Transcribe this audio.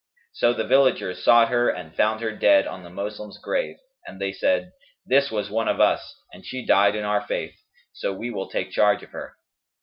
So the villagers sought her and found her dead on the Moslem's grave; and they said, 'This was one of us and she died in our faith; so we will take charge of her.'